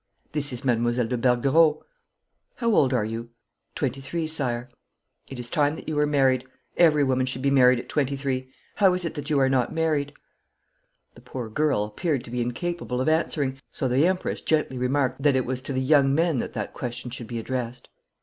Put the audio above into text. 'This is Mademoiselle de Bergerot.' 'How old are you?' 'Twenty three, sire.' 'It is time that you were married. Every woman should be married at twenty three. How is it that you are not married?' The poor girl appeared to be incapable of answering, so the Empress gently remarked that it was to the young men that that question should be addressed.